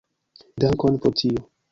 Dankon pro tio.